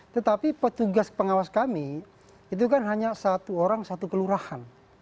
tetapi petugas pengawas kami itu kan hanya satu orang satu kelurahan